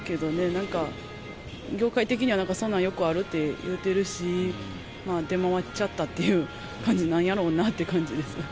なんか業界的にはそんなんよくあるって言うてるし、出回っちゃったっていう感じなやろなって思います。